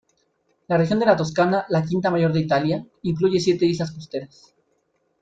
La región de la Toscana, la quinta mayor de Italia, incluye siete islas costeras.